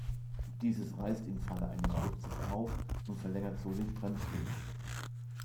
Dieses reißt im Falle eines Sturzes auf und verlängert so den Bremsweg.